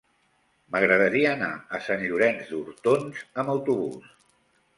M'agradaria anar a Sant Llorenç d'Hortons amb autobús.